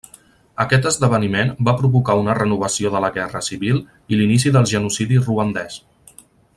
Aquest esdeveniment va provocar una renovació de la guerra civil i l'inici del genocidi ruandès.